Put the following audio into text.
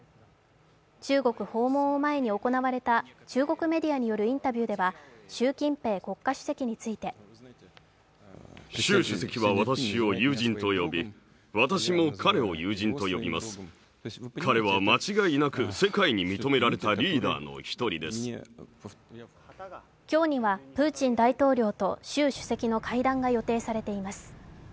中国訪問を前に行われた中国メディアによるインタビューでは習近平国家主席について今日にはプーチン大統領と習主席の会談が予定されています。